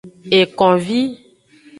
Ekonvi.